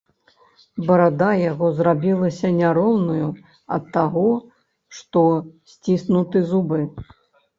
Барада яго зрабілася няроўнаю ад таго, што сціснуты зубы.